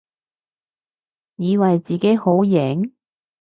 以為自己好型？